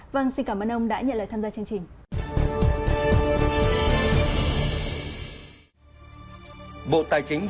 vâng xin cảm ơn ông đã nhận lời tham gia chương trình